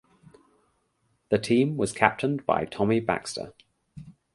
The team was captained by Tommy Baxter.